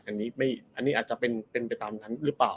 อันนี้ไม่อันนี้อาจจะเป็นเป็นไปตามนั้นหรือเปล่า